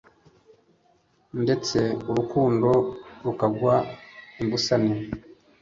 ndetse urukundo rukagwa imbusane